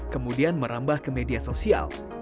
kemudian merambah ke media sosial